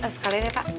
sekalian ya pak